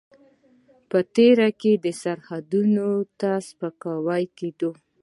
په تېر کې سرحداتو ته سپکاوی کېده.